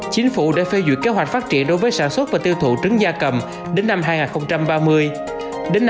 chính phủ đã phê duyệt kế hoạch phát triển đối với sản xuất của người tiêu dùng và sản xuất của người tiêu dùng và sản xuất của người tiêu dùng